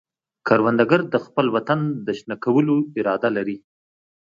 کروندګر د خپل وطن د شنه کولو اراده لري